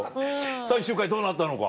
最終回どうなったのか。